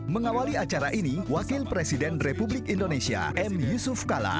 mengawali acara ini wakil presiden republik indonesia m yusuf kala